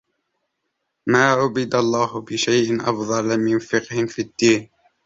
مَا عُبِدَ اللَّهُ بِشَيْءٍ أَفْضَلَ مِنْ فِقْهٍ فِي الدِّينِ